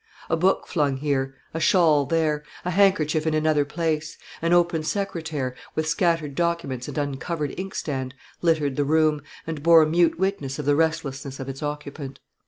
A book flung here; a shawl there; a handkerchief in another place; an open secretaire, with scattered documents and uncovered inkstand, littered the room, and bore mute witness of the restlessness of its occupant.